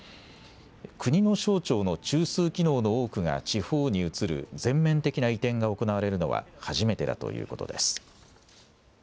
国の省庁の中枢機能の多くが地方に移る全面的な移転が行われるのは初めてだということです。